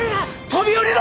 飛び降りろ！